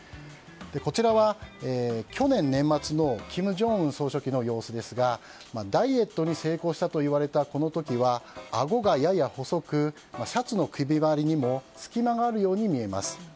こちらは去年の年末の金正恩総書記の様子ですがダイエットに成功したと言われたこの時はあごがやや細くシャツの首回りにも隙間があるように見えます。